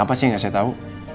apa sih gak saya tau